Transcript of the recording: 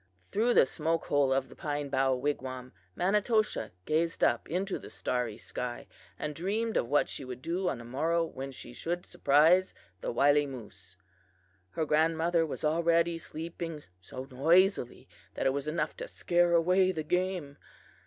Through the smoke hole of the pine bough wigwam Manitoshaw gazed up into the starry sky, and dreamed of what she would do on the morrow when she should surprise the wily moose. Her grandmother was already sleeping so noisily that it was enough to scare away the game.